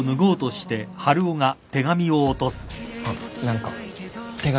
あっ何か手紙。